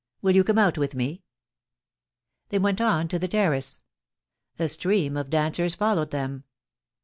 * Will you come out with me ?* They went on to the terrace. A stream of dancers followed them.